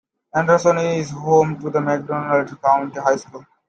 Anderson is home to McDonald County High School.